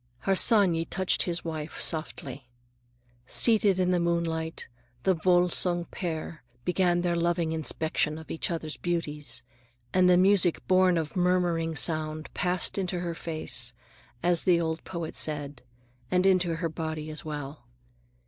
Harsanyi touched his wife's arm softly. Seated in the moonlight, the Volsung pair began their loving inspection of each other's beauties, and the music born of murmuring sound passed into her face, as the old poet said,—and into her body as well.